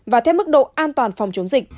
và theo mức độ an toàn phòng chống dịch